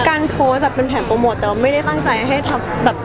การโพสต์เป็นแผนโปรโมทแต่ว่าไม่ได้ตั้งใจให้ทำแบบ